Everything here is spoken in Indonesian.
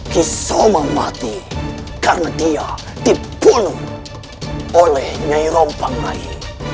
kisoma mati karena dia dibunuh oleh nyai rompang rai